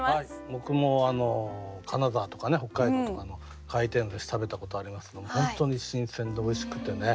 僕も金沢とか北海道とかの回転寿司食べたことありますけども本当に新鮮でおいしくてね